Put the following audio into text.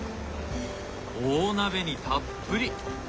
大鍋にたっぷり！